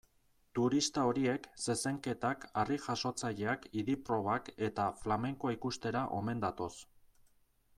Turista horiek zezenketak, harri-jasotzaileak, idi-probak eta flamenkoa ikustera omen datoz.